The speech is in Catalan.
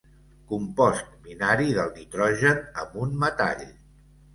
Compost binari del nitrogen amb un metall.